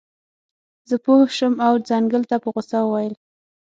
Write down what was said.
زه پوه شم او ځنګل ته په غوسه وویل.